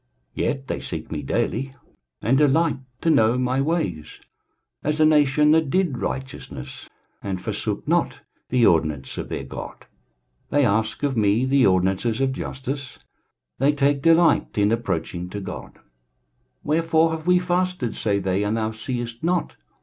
23:058:002 Yet they seek me daily, and delight to know my ways, as a nation that did righteousness, and forsook not the ordinance of their God: they ask of me the ordinances of justice; they take delight in approaching to God. 23:058:003 Wherefore have we fasted, say they, and thou seest not?